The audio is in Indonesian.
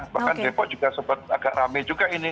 bahkan depok juga sempat agak rame juga ini